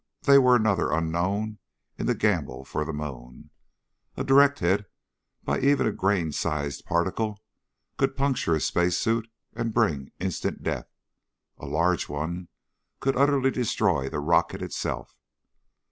They were another unknown in the gamble for the moon. A direct hit by even a grain sized particle could puncture a space suit and bring instant death. A large one could utterly destroy the rocket itself.